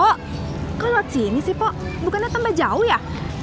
kok lewat sini sih mpo bukannya temba jauh ya